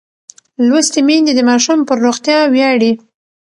لوستې میندې د ماشوم پر روغتیا ویاړي.